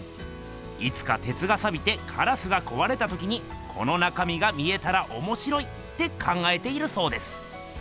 いつかてつがさびてカラスがこわれたときにこの中みが見えたらおもしろいって考えているそうです。